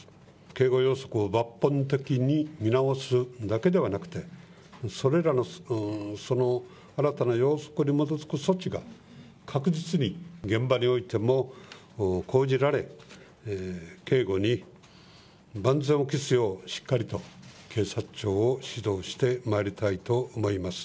警護要則を抜本的に見直すだけではなくそれらの措置が確実に現場においても講じられ警護に万全を期すようしっかりと警察庁を指導してまいりたいと思います。